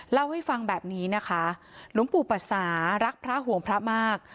เล่าให้ฟังแบบนี้นะคะหลวงปู่ปัศารักพระห่วงพระมาก